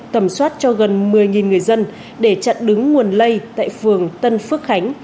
tầm soát cho gần một mươi người dân để chặn đứng nguồn lây tại phường tân phước khánh